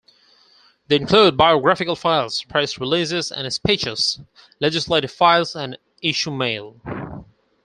They include biographical files, press releases and speeches, legislative files, and issue mail.